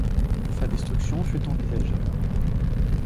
Sa destruction fut envisagée.